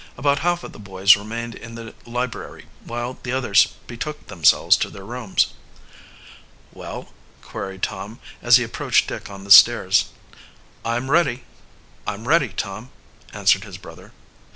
About half of the boys remained in the library, while the others betook themselves to their rooms. "Well?" queried Tom, as he approached Dick on the stairs. "I'm ready, Tom," answered his brother.